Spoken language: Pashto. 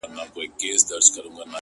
زه د ساقي تر احترامه پوري پاته نه سوم ـ